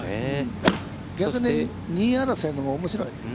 逆に２位争いのほうがおもしろい。